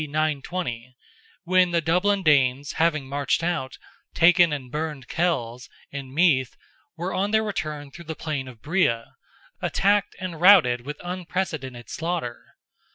920), when the Dublin Danes, having marched out, taken and burned Kells, in Meath, were on their return through the plain of Breagh, attacked and routed with unprecedented slaughter.